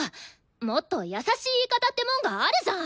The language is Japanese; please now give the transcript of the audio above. もっと優しい言い方ってもんがあるじゃん！